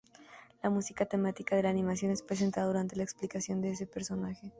La música temática de la animación es presentado durante la explicación de ese personaje.